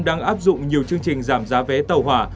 đang áp dụng nhiều chương trình giảm giá vé tàu hỏa